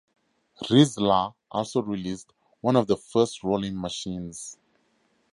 RizLa also released one of the first rolling machines.